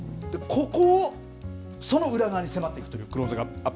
ここを、その裏側に迫っていくというクローズアップ